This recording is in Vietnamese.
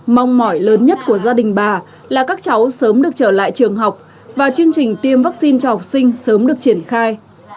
mong mỏi lớn nhất của gia đình bà là các cháu sớm được trở lại trường học và chương trình tiêm vaccine cho học sinh sớm được triển khai